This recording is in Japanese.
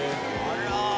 あら！